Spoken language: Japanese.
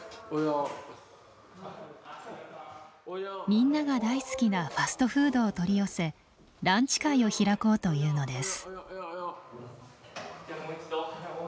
みんなが大好きなファストフードを取り寄せランチ会を開こうというのです。